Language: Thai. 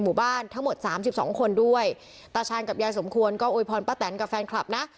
หมู่บ้านทั้งหมด๓๒คนด้วยตาชาญกับยายสมควรก็โอยพรป้าแตนกับแฟนคลับนะ